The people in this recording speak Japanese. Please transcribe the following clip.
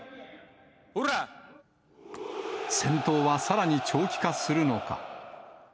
戦闘はさらに長期化するのか。